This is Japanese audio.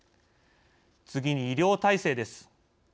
次に医療体制です。